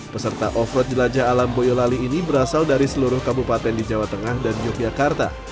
peserta off road jelajah alam boyolali ini berasal dari seluruh kabupaten di jawa tengah dan yogyakarta